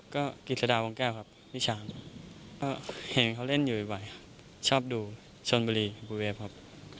ก็กิจสดาวงแก้วครับพี่ช้างก็เห็นเขาเล่นอยู่บ่อยชอบดูชนบุรีบูเวฟครับ